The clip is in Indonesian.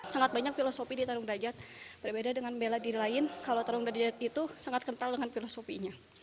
sangat banyak filosofi di tarung derajat berbeda dengan bela diri lain kalau tarung derajat itu sangat kental dengan filosofinya